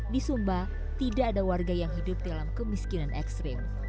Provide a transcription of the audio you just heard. di sumba tidak ada warga yang hidup dalam kemiskinan ekstrim